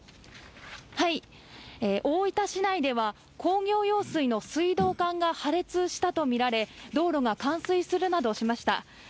大分市内では、工業用水の水道管が破裂したと見られ、道路が冠水するなどしました。